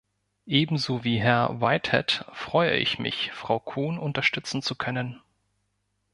Ebenso wie Herr Whitehead freue ich mich, Frau Kuhn unterstützen zu können.